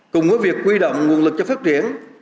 cùng với việc quy động nguồn lực cho phát triển